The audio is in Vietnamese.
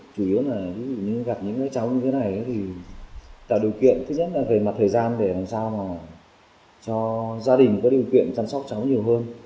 chủ yếu là ví dụ như gặp những cháu như thế này thì tạo điều kiện thứ nhất là về mặt thời gian để làm sao mà cho gia đình có điều kiện chăm sóc cháu nhiều hơn